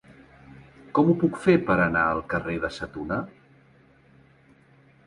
Com ho puc fer per anar al carrer de Sa Tuna?